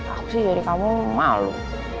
aku sih dari kamu malu